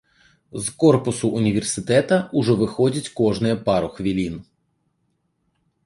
З корпусу ўніверсітэта ўжо выходзяць кожныя пару хвілін.